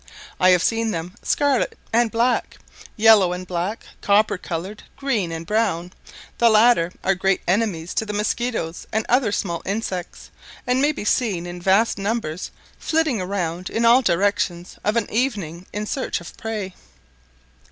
I have seen them scarlet and black, yellow and black, copper coloured, green, and brown; the latter are great enemies to the mosquitoes and other small insects, and may be seen in vast numbers flitting around in all directions of an evening in search of prey.